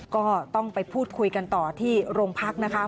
ก็ต้องไปพูดคุยกันต่อที่โรงพักนะคะ